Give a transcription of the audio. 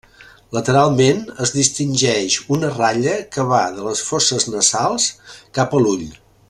Lateralment es distingeix una ratlla que va de les fosses nasals cap a l'ull.